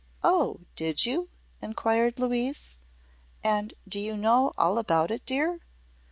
"Oh, did you?" inquired Louise; "and do you know all about it, dear?"